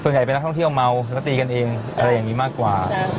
เป็นนักท่องเที่ยวเมาแล้วก็ตีกันเองอะไรอย่างนี้มากกว่า